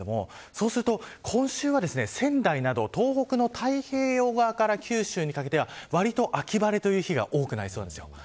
そうすると、今週は仙台など東北の太平洋側から九州にかけてはわりと秋晴れの日が多くなりそうなんです。